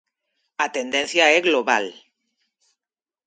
A tendencia é global.